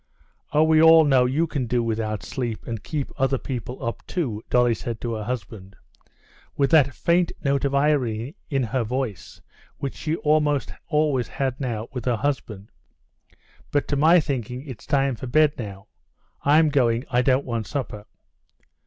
"Oh, we all know you can do without sleep, and keep other people up too," Dolly said to her husband, with that faint note of irony in her voice which she almost always had now with her husband. "But to my thinking, it's time for bed now.... I'm going, I don't want supper."